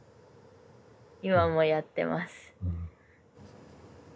今もやってます。